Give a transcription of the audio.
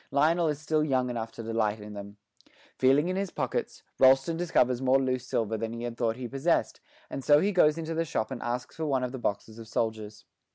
Lionel is still young enough to delight in them. Feeling in his pockets, Rolleston discovers more loose silver than he had thought he possessed, and so he goes into the shop and asks for one of the boxes of soldiers.